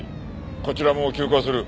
こちらも急行する。